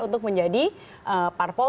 untuk menjadi parpol